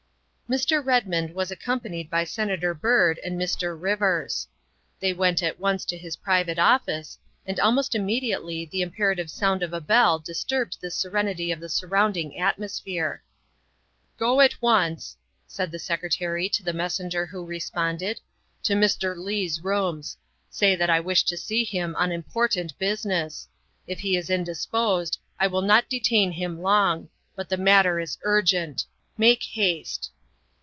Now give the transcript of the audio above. Mr. Redmond was accompanied by Senator Byrd and Mr. Rivers. They went at once to his private office, and 182 THE WIFE OF almost immediately the imperative sound of a bell dis turbed the serenity of the surrounding atmosphere. "Go at once," said the Secretary to the messenger who responded, " to Mr. Leigh's rooms. Say that I wish to see him on important business. If he is indis posed, I will not detain him long, but the matter is urgent. Make haste!"